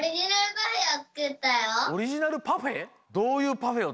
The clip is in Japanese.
オリジナルパフェ？